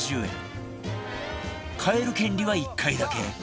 買える権利は１回だけ